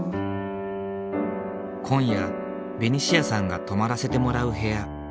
今夜ベニシアさんが泊まらせてもらう部屋。